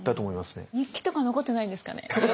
日記とか残ってないんですかね？